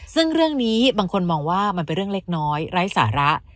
ซึ่งเรื่องนี้บางคนมองว่ามันเป็นเรื่องเล็กน้อยไร้สาระ